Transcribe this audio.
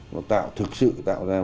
nó thực sự tạo ra một